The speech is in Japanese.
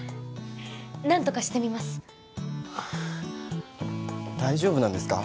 何とかしてみます大丈夫なんですか？